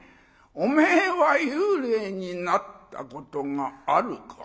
「おめえは幽霊になったことがあるか？」。